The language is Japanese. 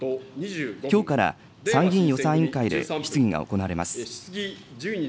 きょうから参議院予算委員会で質疑が行われます。